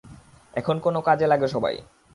এখন কাজে লাগো সবাই।